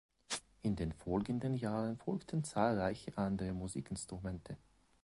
In den folgenden Jahren folgten zahlreiche andere Musikinstrumente.